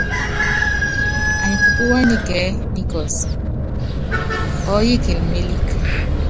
Anyi kupúwá nikɛɛ́ nikɔ́si, ɔɔ́yikini mélíkí.